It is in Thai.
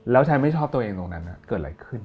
แล้วฉันไม่ชอบตัวเองตรงนั้นเกิดอะไรขึ้น